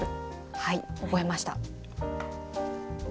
はい覚えました！